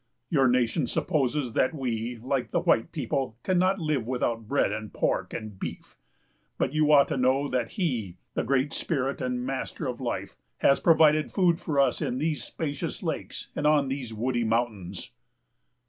Your nation supposes that we, like the white people, cannot live without bread, and pork, and beef! But you ought to know that He, the Great Spirit and Master of Life, has provided food for us in these spacious lakes, and on these woody mountains.